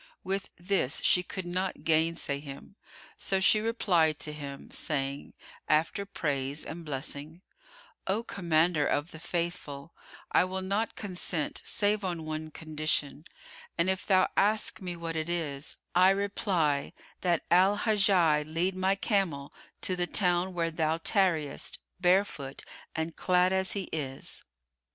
[FN#97] With this she could not gainsay him; so she replied to him, saying (after praise and blessing), "O Commander of the Faithful I will not consent save on one condition, and if thou ask me what it is, I reply that Al Hajjaj lead my camel to the town where thou tarriest barefoot and clad as he is."